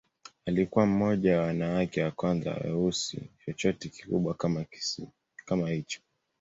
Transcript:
Alikuwa mmoja wa wanawake wa kwanza wa weusi kushinda chochote kikubwa kama hicho.